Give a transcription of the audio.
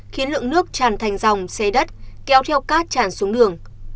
khiến lượng nước tràn thành dòng xê đất kéo theo cát tràn xuống đường